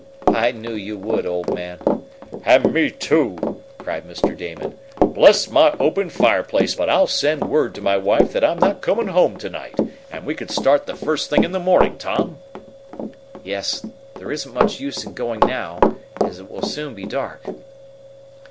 "I knew you would, old man!" "And me, too!" cried Mr. Damon. "Bless my open fireplace, but I'll send word to my wife that I'm not coming home to night, and we can start the first thing in the morning, Tom." "Yes; there isn't much use in going now, as it will soon be dark."